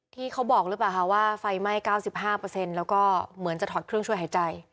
ที่เขาบอกหรือเปล่าคะว่าไฟไหม้๙๕แล้วก็เหมือนจะถอดเครื่องช่วยหายใจ